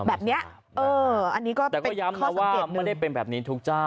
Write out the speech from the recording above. อันนี้ก็เป็นข้อสังเกตหนึ่งแต่ก็ย้ำนะว่าไม่ได้เป็นแบบนี้ทุกเจ้า